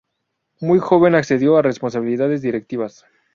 Muy joven accedió a responsabilidades directivas.